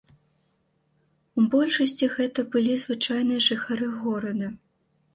У большасці гэта былі звычайныя жыхары горада.